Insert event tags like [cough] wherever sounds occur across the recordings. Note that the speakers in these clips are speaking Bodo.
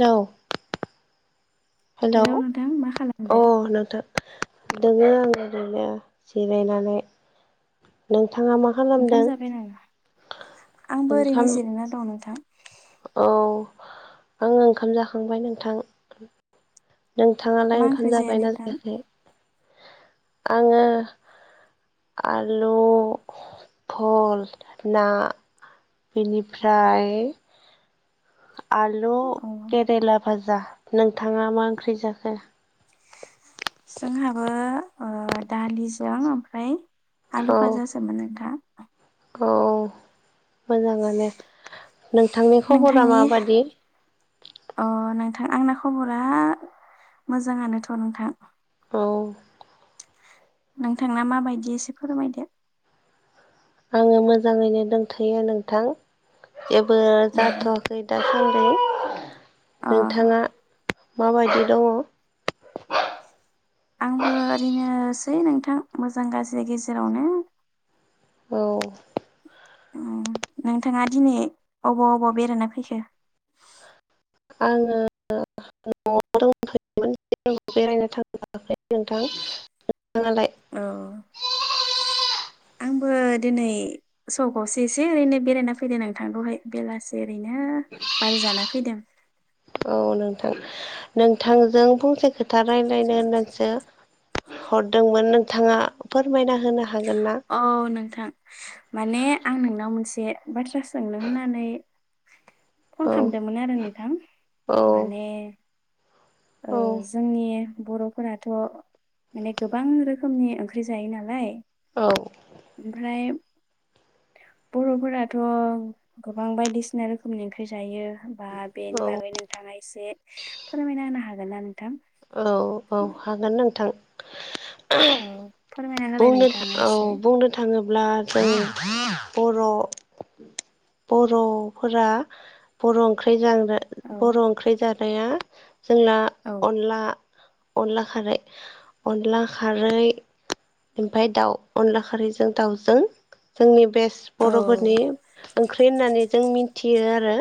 औ। हेल' हेलौ नोंथां मा खालामदो अ' नोंथां। दोङो आङो ओरैनो जिरायनानै नों थांआ मा ओंखाम खालामदों जाबाय नामा? आंबो ओरैनो ओंखाम जिरायना दं नोंथां औ आङो ओंखाम जाखांबाय नोंथां। नोंथाङालाय मा ओंखाम ओंख्रि जाया जाबायना नोंथां? जायाखै? आङो आलु भल ना। बेनिफ्राय आलु औ केरेला भाजा नोंथाङा मा ओंख्रि जाखो? जोंहाबो ओ दालिजों ओमफ्राय आलु औ भाजासोमोन नोंथां। औ। मोजाङानो नोंथांनि खबरा नोंथांनि माबादि? अ नोंथां आंना खबरा मोजाङानोथ' नोंथां। औ नोंथांना माबायदि एसे फोरमायदो। आङो मोजाङैनो दोंनथ'यो नोंथां जेबो उम जाथ'वाखै दा। उम अ नोंथाङा माबायदि दङ'? आंबो ओरैनोसै नोंथां मोजां गाज्रि गेजेरावनो। औ उम नोंथाङा दिनै अबाव अबाव बेरायनो फैखो? आङो न'आव दंफै। बेरायनो थाङाखै नोंथां नोंथाङालाय? औ आंबो बो दिनै सकआवसो एसे ओरैनो बेरायना फैदो आं दहाय बेलासि ओरैनो बार जाना फैदों। औ नोंथां नोंथांजों फंसे खोथा रायज्लायनो होननासो हरदोंमोन नोंथाङा फोरमायना होनो हाग औ नोंथां। माने आं नोंनाव मोनसे बाथ्रा सोंनो होननानै फन औ खालामदोंमोन आरो नोंथां औ माने ओ औ जोंनि बर'फोराथ' माने गोबां रोखोमनि ओंख्रि जायो नालाय औ ओमफ्राय बर'फोराथ' गोबां बायदिसिना रोखोमनि ओंख्रि जायो बा बेनि बागै नोंथाङा एसे फोरमायना होनो हागोन ना नोंथां? औ औ हागोन नोंथां। औ। फोरमायना होलाय बुंनो नोंथाङा औ एसे बुंनो थाङोब्ला जों बर' बर'फोरा बर' ओंख्रिजों औ बर' ओंख्रि जानाया जोंना औ अनला अनला खारै अनला खारै ओमफाय दाउ अनला खारैजों दाउजों जोंनि बेस औ बर'फोरनि ओंख्रि होननानै जों मि थियो आरो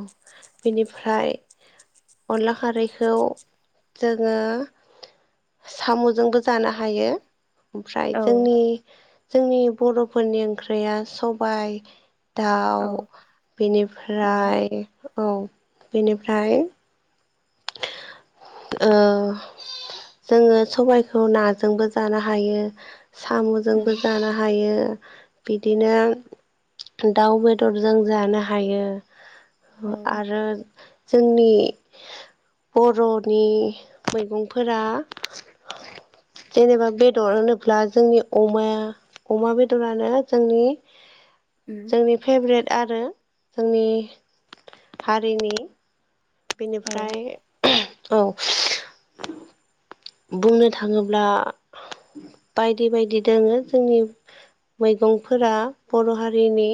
औ बिनिफ्राय अनला खारैखौ जोङो साम'जोंबो जानो हायो। ओमफ्राय औ जोंनि जोंनि बर'फोरनि ओंख्रिया सबाय औ दाउ उम बेनिफ्राय औ बेनिफ्राय ओ जोङो सबायखौ नाजोंबो जानो हायो। उम साम'जोंबो जानो हायो। बिदिनो दाउ बेदरजों जानो हायो। औ आरो जोंनि बर'नि मैगंफोरा जेनेबा बेदर होनोब्ला जोंनि अमाया अमा बेदरानो जोंनि उम जोंनि फेभरेट आरो जोंनि हारिनि औ बेनिफ्राय औ। बुंनो थाङोब्ला बायदि बायदि दङो जोंनि मैगंफोरा बर' हारिनि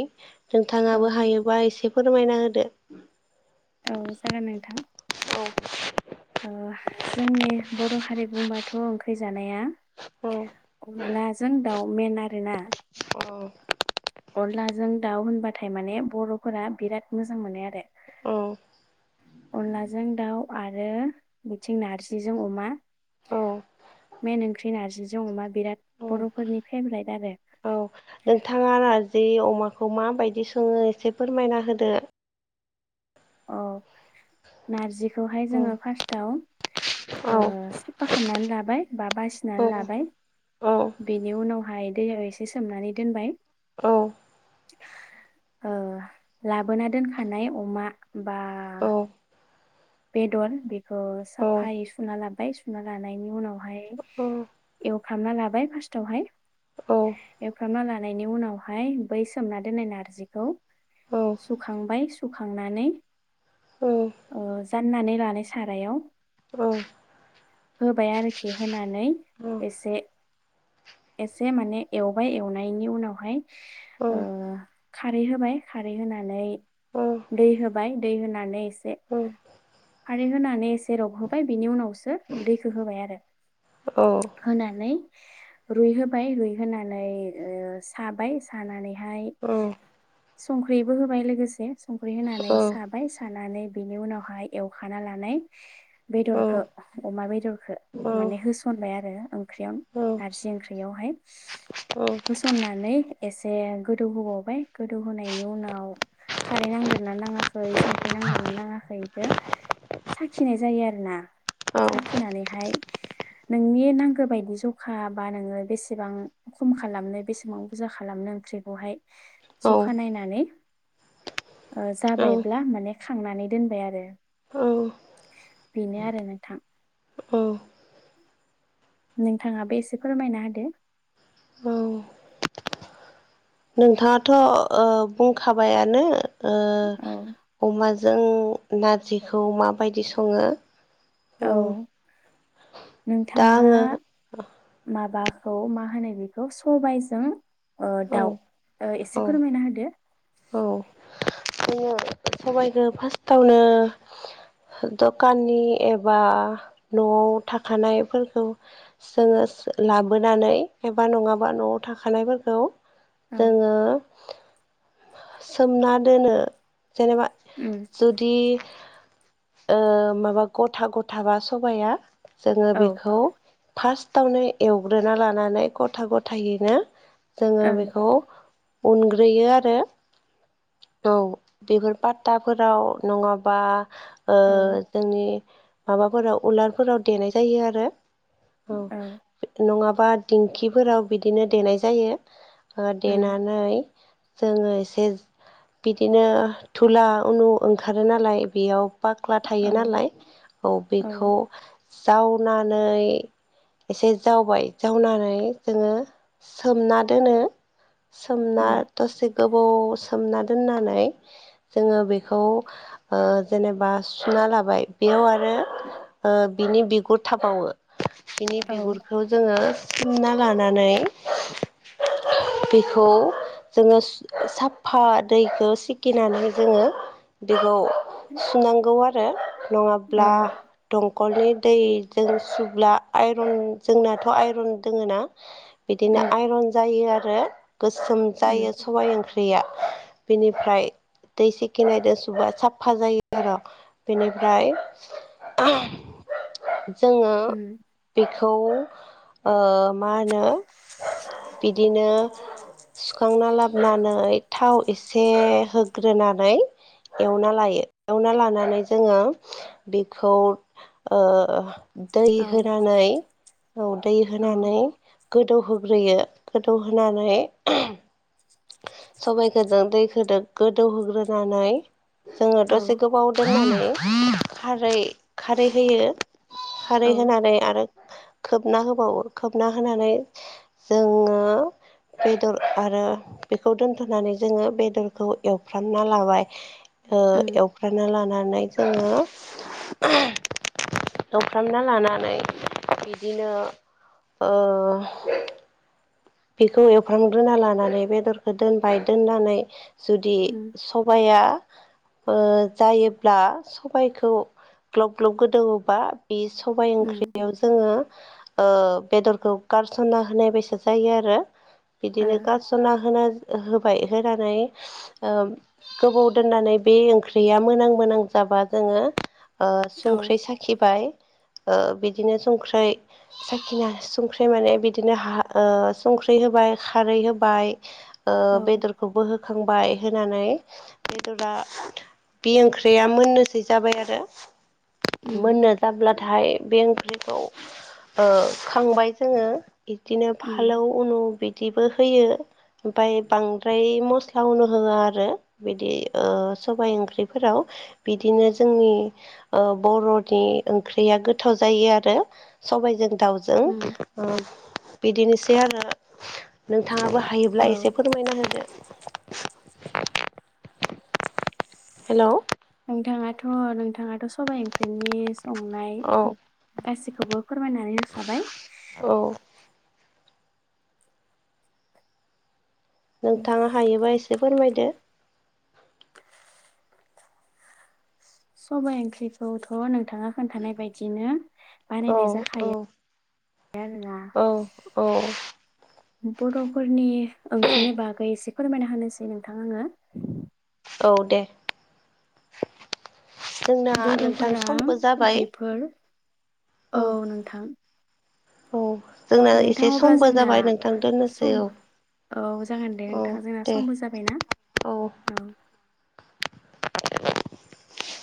औ नोंथाङाबो हायोबा एसे फोरमायना होदो। औ जागोन नोंथां। औ। ओ जोंनि बर' हारि बुंबाथ' ओंख्रि जानाया अनलाजों दाउमेन आरोना। अ। अनलाजों दाउ होनबाथाय माने बर'फोरा बिराद मोजां मोनो आरो। औ। अनलाजों दाउ आरो बिथिं नारजिजों अमा। औ मेेन ओंख्रि नारजिजों अमा बिराद बर'फोरनि फेभ्रेट आरो। औ नोंथाङा नार्जि अमाखौ माबायदि सङो एसे फोरमायना होदो। औ नारजिखौहाय औ जोङो फार्स्टआव औ ओ साफा खालामनानै लाबो बा बासिनानै लाबाय औ बेनि उनावहाय दैया एसे सोमनानै दोनबाय। औ। ओ लाबोना दोनखानाय अमा बा औ बेदर बेखौ साफायै औ सुना लाबाय सुना लानायनि उनावहाय एवखामना लाबाय फार्स्टावहाय। औ। फ्रामना लानायनि उनावहाय बै सोमना दोननाय नारजिखौ सुखांबाय सुखांनानै औ। ओ जाननानै लानाय सारायाव। औ। होबाय आरोखि होनानै एसे। एसे माने एवबाय एवनायनि उनावहाय औ। ओ खारै होबाय खारै होनानै दै होबाय दै होनानै एस उम खारै होनानै एसे रब होबाय बिनि उनावसो दैखौ होबाय आरो। औ होनानै रुइहोबाय रुइहोनानै ओ साबाय सानानै हाय संख्रैबो होबाय लोगोसे संख्रै होनानै साबाय सानानै बिनि उनावहाय एवखाना लानाय बेदरखौ अमा बेदरखौ माने होसनबाय आरो ओं ओंख्रियाव नारजि ओंख्रियावहाय होसननानै एसे गोदौ होबावबाय गोदौ होनायनि उनाव खारै नांदेरना नाङाखै संख्रि नांदेरना नाङाखै हो साखिनाय जायो आरोना साखिनानैहाय नोंनि नांगौ बायदि जखाबा नोङो बेसेबां खम खालामनो बेसेबां बुरजा खालामनो संख्रिखौहाय जखा नायनानै ओ जाबायब्ला माने खांनानै दोनबाय आरो। औ बेनो आरो नोंथां। नोंथाङाबो एसे फोरमायना होदो। नोंथाङाथ'ओ बुंखाबायानो ओ औ अमा जो जों नारजिखौ माबायदि सङो? औ। दा नोंथाङा आङो माबाखौ मा होनो बेखौ सबायजों ओ औ दाउ औ एसे फोरमायना होदो। औ आङो साबाय फार्स्टआवनो दखाननि एबा न'आव थाखानाय फोरखौ जोङो लाबोनानै एबा नङाबा न'आव थाखानायफोरखौ औ जोङो सोमना दोनो जेनेबा उम जुदि ओ माबा गथा गथाबा सबाइआ जोङो औ बेखौ फार्स्ट थावनो एवग्रोना लानानै गथा गथायैनो जोङो ओं बेखौ उनग्रोयो आरो। औ बेफोर पात्ताफोराव नङाबा ओ औ जोंनि माबाफोराव उलारफोराव देनाय जायो आरो। औ नङाबा दिंखिफोराव बिदिनो देनाय जायो। ओ उम देनानै जोङो एसे बिदिनो धुला उनु ओंखारो नालाय बेयाव बाख्ला औ थायो नालाय औ बेखौ जावनानै एसे जावबाय जावनानै जोङो सोमना दोनो। सोमना उम दसे गोबाव सोमना दोन्नानै जोङो बेखौ ओ जेनबा सुनालाबाय बे बेयाव आरो ओ बिनि बिगुर थाबावो बिनि औ बिगुरखौ जोङो सोमना लानानै बेखौ जोङो सु साब फा दैखौ सिखिनानै जोङो बेखौ उम सुनांगौ आरो। नङाब्ला दं। दंखलनि दैजों सुब्ला आइरन जोंनाथ' आइरन दोङो ना बिदिनो उम आइरन जायो आरो गोसोम उम जायो सबाइ ओंख्रिया। बेनिफ्राय दैसेखि नायजों सुबा साफा जायो आरो बेनिफ्राय जोङो उम बेखौ ओ मा होनो बिदिनो सुखांना लाबनानै। थाव एसे होग्रोनानै एवना लायो एवना लानानै जोङो बेखौ ओ दै औ होनानै औ दै औ होनानै गोद गोदौ होग्रोयो गोदौ होनानै सबायाइखोदों दैखोदों गोदौहोग्रोनानै जोङो औ दसे गोबाव दोननानै खारै खारै होयो खारै औ होनानै आरो खोबना होबावो खोबना होनानै जोङो बेदर आरो बेखौ दोन होनानै जोङो बेदरखौ एवफ्रामना लाबाय ओ उम एवफ्रामना लानानै जोङो एवफ्रामना लानानै बिदिनो ओ बेखौ एवफ्रांग्रोना लानानै बेदरखौ दोनबाय दोननानै जुदि उम सबाया ओ जायोब्ला सबायखौ ग्लब ग्लब गोदौवोबा बे सबाय उम ओंख्रियाव जोङो ओ बेदरखौ गारसना होनाय बायसा जायो आरो ओ बिदिनो गारसनना होना हो बाय होनानै ओ गोबाव दोननानै बे ओंख्रिया मोनां मोनां जाबा जों ङो ओ संख्रि साखिबाय ओ बिदिनो संख्रै साखिना संख्रै माने बिदिनो हा ओ संख्रि होबाय खारै होबाय ओ औ बेदरखौबो होखांबाय होनानै बेदरा बे ओंख्रिया मोननोसै जाबाय आरो। उम मोननो जाब्लाथाय बे ओंख्रिखौ ओ खांबाय जोङो इदिनो उम फालौ उनु बिदि बो होयो। ओमफाय बांद्राय मस्ला होननो होआ आरो बिदि ओ सबाय ओंख्रिफोराव। बिदिनो जोंनि ओ बर'नि ओंख्रिया गोथाव जायो आरो। सबायाइजों दाउजों उम ओ बिदिनोसै आरो नों थाङाबो औ हायोब्ला एसे फोरमायना होदो। हेलौ। नोंथाङाथ नोंथाङाथ सबाय ओंख्रिनि संनाय औ गासिखौबो फोरमायनानै होखाबाय। औ नोंथाङा हायोबा एसे फोरमायदो। सबाइ ओंख्रिखौथ नोंथाङा खोन्थानाय बायदिनो औ बानायनाय जाखायो। आरोना औ औ। बर'फोरनि ओंख्रिनि बागै एसे फोरमायना होनोसै नोंथां आङो। औ दे। जोंना नोंथां बर'फोरा समबो जाबाय। बेफोर औ नोंथां। औ जोंना नोंथां एसे अब्ला समबो जोंना जाबाय नोंथां सम दोननोसै औ। औ जागोन दे औ नोंथाङा जोंना दे समबो जाबायना औ। [unintelligible]